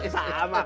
sama kang saya juga